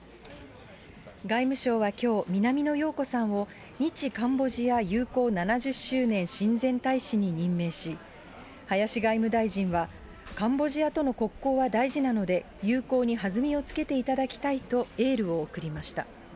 外務省はきょう、南野陽子さんを、日カンボジア友好７０周年親善大使に任命し、林外務大臣は、カンボジアとの国交は大事なので、友好に弾みをつけていただきたいと、エールを送りました。